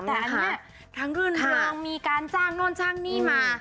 แต่อันนี้ทั้งรื่นเริงมีการจ้างโน่นจ้างหนี้มา